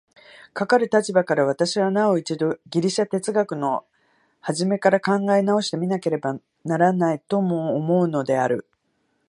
かかる立場から、私はなお一度ギリシヤ哲学の始から考え直して見なければならないとも思うのである。